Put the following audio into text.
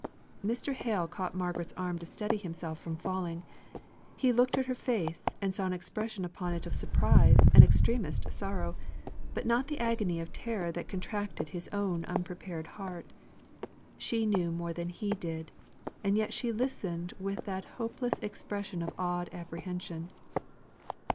Mr. Hale caught Margaret's arm to steady himself from falling. He looked at her face, and saw an expression upon it of surprise and extremest sorrow, but not the agony of terror that contracted his own unprepared heart. She knew more than he did, and yet she listened with that hopeless expression of awed apprehension.